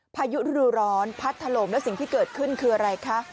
พายุฤดูร้อนพัดถล่มแล้วสิ่งที่เกิดขึ้นคืออะไรคะ